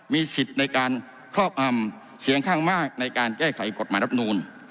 มีสิทธิ์ในการครอบอำเสียงข้างมากในการแก้ไขกฎหมายรับนูล